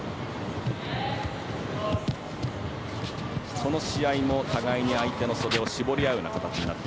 この試合も互いに相手の袖を絞り合うような形。